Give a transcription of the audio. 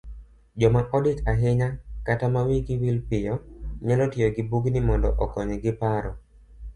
Joma odich ahinya kata ma wigi wil piyo, nyalo tiyo gibugni mondo okonygi paro